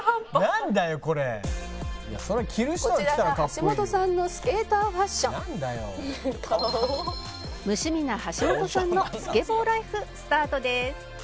「こちらが橋本さんのスケーターファッション」「無趣味な橋本さんのスケボーライフスタートです」